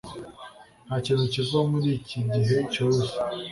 Ntakintu kiva muriki gihe cyoroshye